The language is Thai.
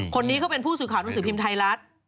คนนี้เขาเป็นผู้สื่อข่าวหนังสือพิมพ์ไทยรัฐ